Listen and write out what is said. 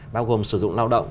bao gồm sử dụng lao động